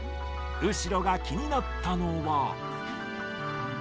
後呂が気になったのは。